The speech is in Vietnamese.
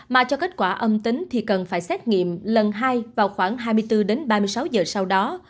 mà cho kết quả âm tính thì cần phải xét nghiệm lần hai vào khoảng hai mươi bốn đến ba mươi sáu giờ sau đó